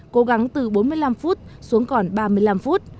cố gắng từ bốn mươi năm phút xuống còn ba mươi năm phút